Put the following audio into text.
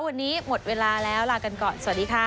วันนี้หมดเวลาแล้วลากันก่อนสวัสดีค่ะ